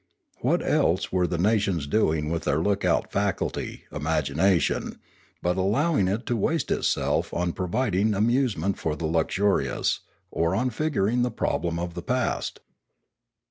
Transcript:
What else were the nations doing with their lookout faculty, imagination, but allowing it to waste itself on providing amusement for the luxurious, or on figuring the problem of the past